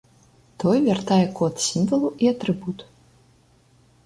Той вяртае код сімвалу і атрыбут.